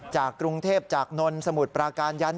จากกรุงเทพจากนนสมุทรปราการยัน